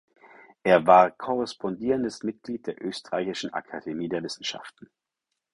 Er war korrespondierendes Mitglied der österreichischen Akademie der Wissenschaften.